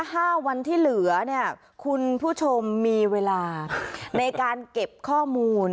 ห้าวันที่เหลือเนี่ยคุณผู้ชมมีเวลาในการเก็บข้อมูล